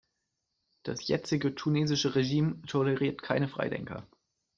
Das jetzige tunesische Regime toleriert keine Freidenker.